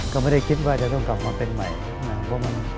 ก็ไม่ได้คิดว่าจะต้องกลับมาเป็นใหม่